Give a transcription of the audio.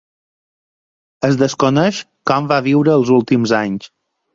Es desconeix com va viure els últims anys.